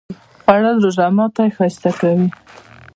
خوړل د روژه ماتی ښایسته کوي